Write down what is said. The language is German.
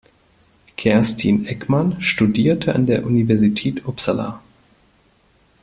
Kerstin Ekman studierte an der Universität Uppsala.